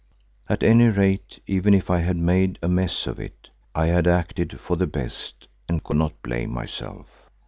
At any rate, even if I had made a mess of it, I had acted for the best and could not blame myself.